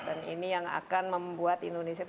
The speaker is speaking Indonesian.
dan ini yang akan membuat indonesia